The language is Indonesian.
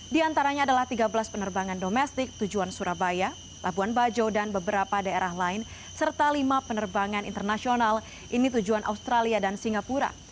di antaranya adalah tiga belas penerbangan domestik tujuan surabaya labuan bajo dan beberapa daerah lain serta lima penerbangan internasional ini tujuan australia dan singapura